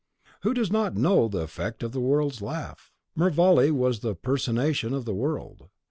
Who does not know the effect of the world's laugh? Mervale was the personation of the world.